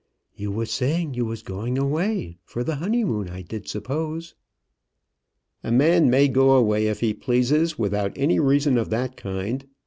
"You was saying you was going away, for the honeymoon, I did suppose." "A man may go away if he pleases, without any reason of that kind.